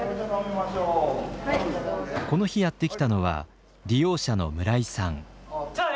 この日やって来たのは利用者の村井さん。